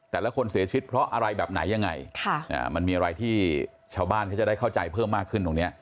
แต่ละคนเสียชีวิตเพราะอะไรแบบไหนยังไงมันมีอะไรที่ชาวบ้านเขาจะได้เข้าใจเพิ่มมากขึ้นตรงนี้